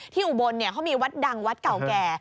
อุบลเขามีวัดดังวัดเก่าแก่